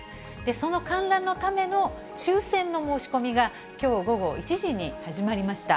その観覧のための抽せんの申し込みが、きょう午後１時に始まりました。